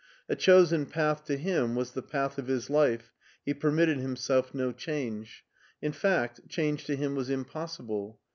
A chosen path to him was the path of his life, he permitted himself no change; in fact, change to him was impossible.